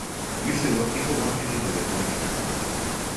Usually what people want you to do is make it current.